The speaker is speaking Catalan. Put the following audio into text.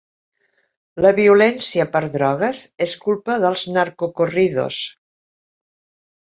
La violència per drogues és culpa dels narcocorridos.